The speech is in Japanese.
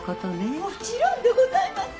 もちろんでございます。